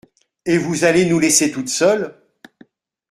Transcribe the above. Et vous allez nous laisser toutes seules ?…